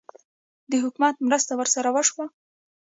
د حکومت مرسته ورسره وشوه؟